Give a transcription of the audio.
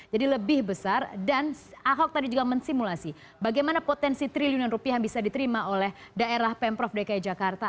jadi lebih besar dan ahok tadi juga mensimulasi bagaimana potensi triliunan rupiah yang bisa diterima oleh daerah pemprov dki jakarta